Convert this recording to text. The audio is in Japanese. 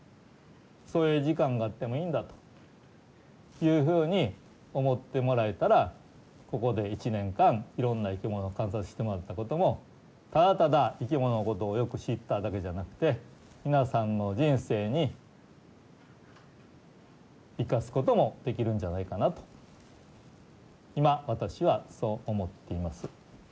そういう時間があってもいいんだというふうに思ってもらえたらここで１年間いろんな生き物を観察してもらったこともただただ生き物のことをよく知っただけじゃなくて皆さんの人生に生かすこともできるんじゃないかなと今私はそう思っています。